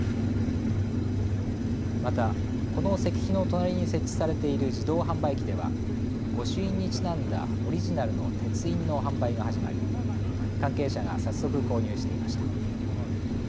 また、この石碑の隣に設置されている自動販売機では御朱印にちなんだオリジナルの鉄印の販売が始まり関係者が早速購入していました。